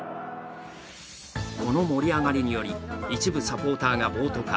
この盛り上がりにより、一部サポーターが暴徒化。